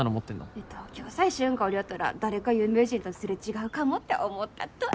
えっ東京さ１週間おりよったら誰か有名人とすれ違うかもって思うたとよ